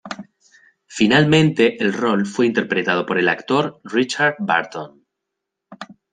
Finalmente el rol fue interpretado por el actor Richard Burton.